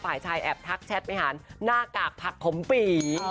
อาจแบบถักแชทไม่หาหน้ากากผักขมปี่